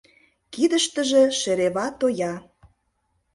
Кидыштыже шерева тоя.